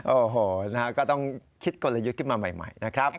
โอ้โฮนะก็ต้องคิดก่อนแล้วยึดขึ้นมาใหม่นะครับ